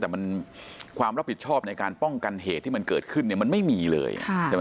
แต่มันความรับผิดชอบในการป้องกันเหตุที่มันเกิดขึ้นเนี่ยมันไม่มีเลยใช่ไหม